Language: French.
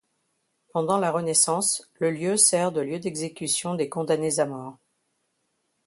Pendant la Renaissance, le lieu sert de lieu d'exécution des condamnés à mort.